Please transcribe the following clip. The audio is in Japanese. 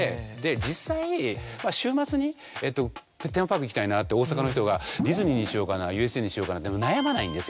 実際週末に「テーマパーク行きたいな」って大阪の人が「ディズニーにしようかなＵＳＪにしようかな」って悩まないんです。